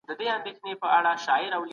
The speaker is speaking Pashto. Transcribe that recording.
د نورو سکتورونو لپاره.